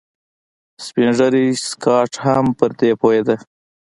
سپين ږيری سکاټ هم پر دې پوهېده.